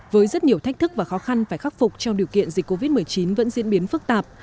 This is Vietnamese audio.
với rất nhiều thách thức và khó khăn phải khắc phục trong điều kiện dịch covid một mươi chín vẫn diễn biến phức tạp